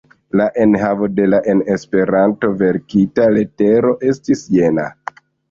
La enhavo de la en Esperanto verkita letero estis jena: